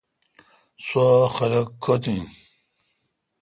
سوا خلق کوتھ این۔